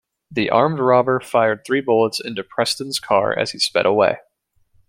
The armed robber fired three bullets into Preston's car as he sped away.